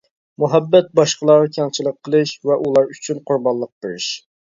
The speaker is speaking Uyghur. مۇھەببەت باشقىلارغا كەڭچىلىك قىلىش ۋە ئۇلار ئۈچۈن قۇربانلىق بېرىش.